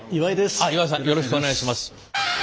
あっ岩井さんよろしくお願いします。